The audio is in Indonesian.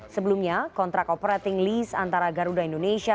sebelumnya kontrak operating list antara garuda indonesia